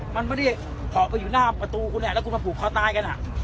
มันไม่ได้เพาะไปอยู่หน้าประตูคุณแล้วคุณมาผูกคอตายกัน